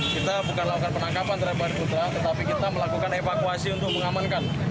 kita bukan melakukan penangkapan terhadap korban tetapi kita melakukan evakuasi untuk mengamankan